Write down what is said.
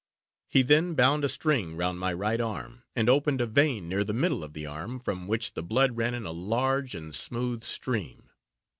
He then bound a string round my right arm, and opened a vein near the middle of the arm, from which the blood ran in a large and smooth stream.